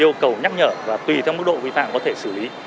yêu cầu nhắc nhở và tùy theo mức độ vi phạm có thể xử lý